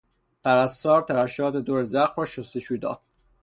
پرستار ترشحات دور زخم را شستشو داد.